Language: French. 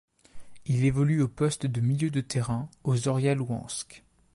Il évolue au poste de milieu de terrain au Zorya Louhansk.